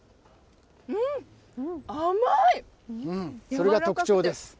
それが特徴です。